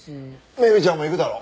メグちゃんも行くだろ？